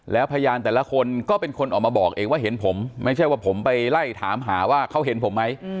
แล้วพยานแต่ละคนก็เป็นคนออกมาบอกเองว่าเห็นผมไม่ใช่ว่าผมไปไล่ถามหาว่าเขาเห็นผมไหม